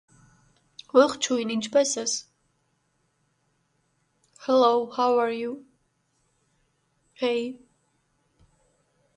These boomers established local lodges in new areas.